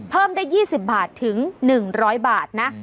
เพิ่มได้๒๐บาทถึง๑๐๐บาทนะ